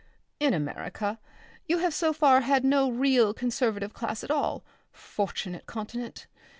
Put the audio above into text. In America you have so far had no real conservative class at all. Fortunate continent!